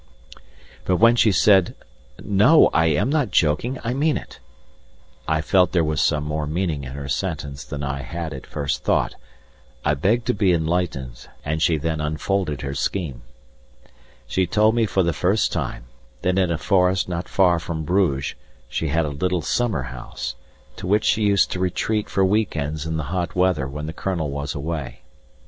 But when she said, "No! I am not joking, I mean it," I felt there was more meaning in her sentence than I had at first thought. I begged to be enlightened, and she then unfolded her scheme. She told me for the first time, that in a forest not far from Bruges she had a little summer house, to which she used to retreat for week ends in the hot weather when the Colonel was away.